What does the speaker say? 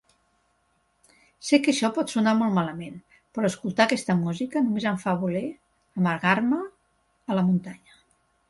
Sé que això pot sonar molt malament, però escoltar aquesta música només em fa voler amagar-me a la muntanya.